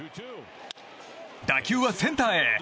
打球はセンターへ。